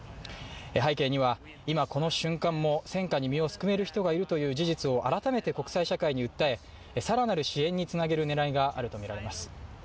背景には今この瞬間も戦火に身をすくめる人がいるという事実を改めて国際社会に訴え、更なる支援につなげるねらいがあるものとみられます。